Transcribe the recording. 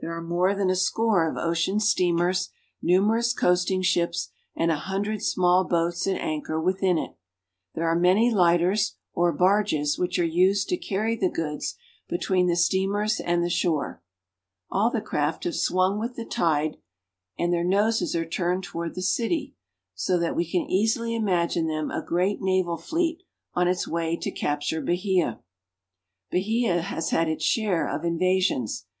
There are more than a score of ocean steamers, numerous coasting ships, and a hundred small boats at anchor within it. There are many lighters or barges which are used to carry the goods between the BAHIA. 285 Steamers and the shore. All the craft have swung with the tide, and their noses are turned toward the city, so that we can easily imagine them a great naval fleet on its way to capture Bahia. Bahia has had its share of invasions.